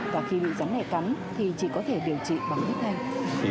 và khi bị rắn này cắn thì chỉ có thể điều trị bằng bước tay